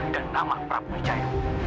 dan nama prabu jaya